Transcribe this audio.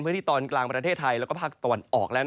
พื้นที่ตอนกลางประเทศไทยแล้วก็ภาคตะวันออกแล้ว